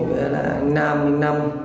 với là anh nam anh nam